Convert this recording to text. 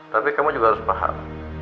tapi kamu juga harus paham